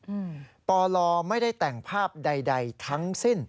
อืมปลไม่ได้แต่งภาพใดใดทั้งสิ้น